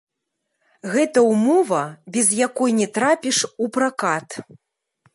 Гэта ўмова, без якой не трапіш у пракат.